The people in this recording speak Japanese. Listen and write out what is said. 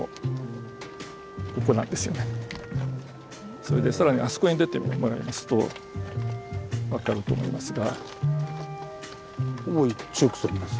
それで更にあそこに出てもらいますと分かると思いますが。